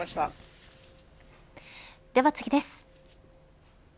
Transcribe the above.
では次です。